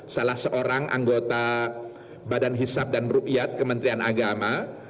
salah seorang anggota badan hisap dan rukyat kementerian agama